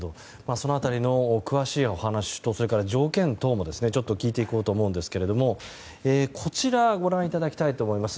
その辺りの詳しいお話とそれから条件等も聞いていこうと思いますがこちらご覧いただきたいと思います。